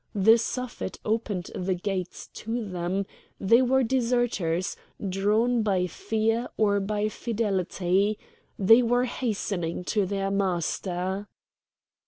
The Suffet opened the gates to them; they were deserters; drawn by fear or by fidelity, they were hastening to their master.